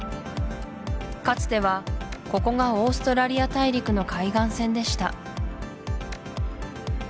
かつてはここがオーストラリア大陸の海岸線でした